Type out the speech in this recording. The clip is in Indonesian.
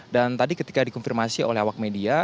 dan tadi ketika dikonfirmasi oleh awak media